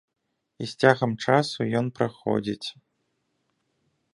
І з цягам часу ён праходзіць.